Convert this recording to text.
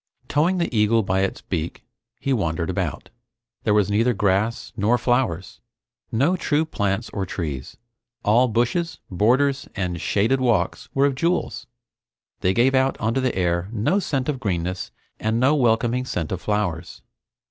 Towing the eagle by its beak, he wandered about. There was neither grass nor flowers; no true plants or trees. All bushes, borders, and shaded walks were of jewels. They gave out onto the air no scent of greenness and no welcoming scent of flowers.